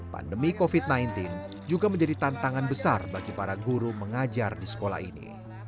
pandemi covid sembilan belas juga menjadi tantangan besar bagi para guru mengajar di sekolah ini